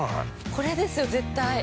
◆これですよ、絶対。